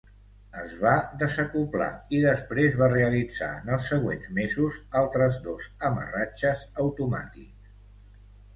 Es va desacoblar i després va realitzar en els següents mesos altres dos amarratges automàtics.